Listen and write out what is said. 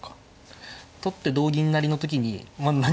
取って同銀成の時にまあ何もないと。